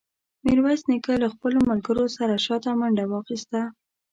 میرویس نیکه له خپلو ملګرو سره شاته منډه واخیسته.